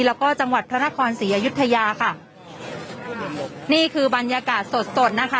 แล้วก็จังหวัดพระนครศรีอยุธยาค่ะนี่คือบรรยากาศสดสดนะคะ